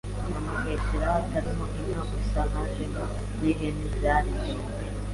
Nyamuheshera hatarimo inka gusa hajemo n’ihene zari ndende